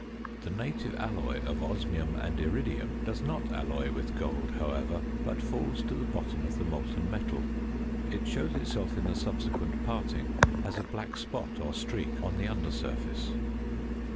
The native alloy of osmium and iridium does not alloy with gold, however, but falls to the bottom of the molten metal. It shows itself in the subsequent parting as a black spot or streak on the under surface.